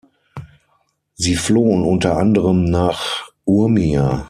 Sie flohen unter anderem nach Urmia.